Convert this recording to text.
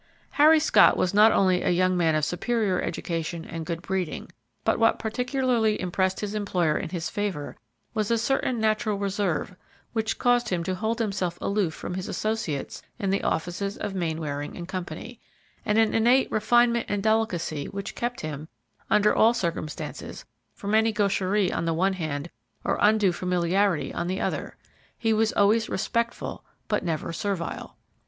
Harry Scott was not only a young man of superior education and good breeding, but what particularly impressed his employer in his favor was a certain natural reserve which caused him to hold himself aloof from his associates in the offices of Mainwaring & Co., and an innate refinement and delicacy which kept him, under all circumstances, from any gaucherie on the one hand, or undue familiarity on the other; he was always respectful but never servile.